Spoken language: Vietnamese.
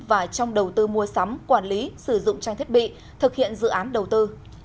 và trong đầu tư mua sắm quản lý sử dụng trang thiết bị thực hiện dự án đầu tư